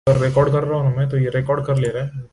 The current ambassador is Rupert Holborow.